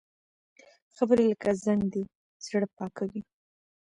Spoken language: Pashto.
خبرې لکه زنګ دي، زړه پاکوي